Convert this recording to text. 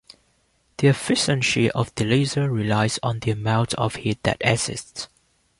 The efficiency of the laser relies on the amount of heat that exits.